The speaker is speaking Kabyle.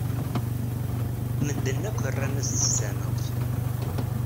Medden akk rran-as-d s tamawt.